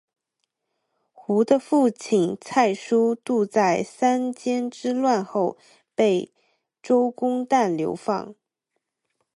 胡的父亲蔡叔度在三监之乱后被周公旦流放。